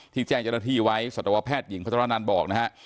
แจ้งเจ้าหน้าที่ไว้สัตวแพทย์หญิงพัฒนานันบอกนะฮะ